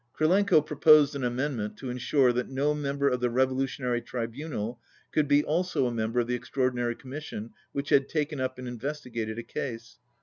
Krylenko proposed an amendment to ensure that no member of the Revolutionary Tribunal could be also a member of the Extraordinary Commission which had taken up and investigated a case.